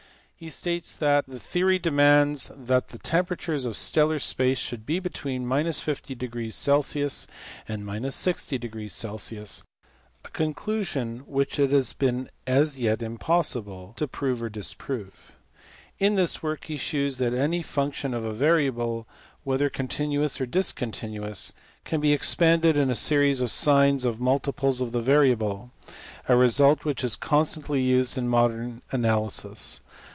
He states that the theory demands that the temperature of stellar space should be between 50 C. and 60 C., a conclusion which it has been as yet impossible to prove or disprove. In this work be shews that any function of a variable, whether continuous or discontinuous, can be expanded in a series of sines of multiples of the variable ; a result which is constantly used in modern analysis.